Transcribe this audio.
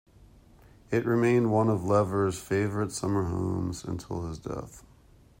It remained one of Lever's favourite summer homes util his death.